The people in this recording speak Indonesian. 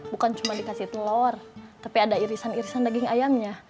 bukan cuma dikasih telur tapi ada irisan irisan daging ayamnya